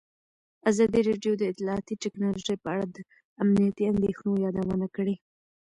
ازادي راډیو د اطلاعاتی تکنالوژي په اړه د امنیتي اندېښنو یادونه کړې.